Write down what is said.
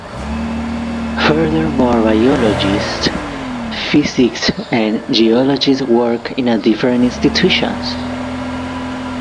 Furthermore, biologists, physicists, and geologists work in different institutions.